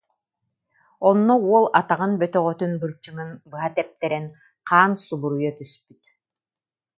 Онно уол атаҕын бөтөҕөтүн былчыҥын быһа тэптэрэн, хаан субуруйа түспүт